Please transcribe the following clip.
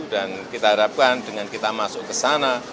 dan kita harapkan dengan kita masuk ke sana